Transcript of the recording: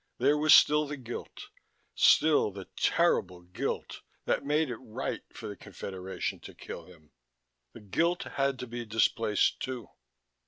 There was still the guilt, still the terrible guilt that made it right for the Confederation to kill him. The guilt had to be displaced, too.